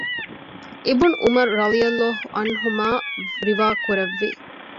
އިބްނު ޢުމަރު ރަޟިއަ ﷲ ޢަންހުމާ ރިވާ ކުރެއްވި